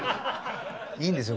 いいんですよ。